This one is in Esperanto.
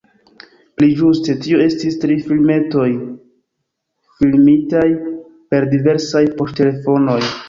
Pli ĝuste tio estis tri filmetoj, filmitaj per diversaj poŝtelefonoj.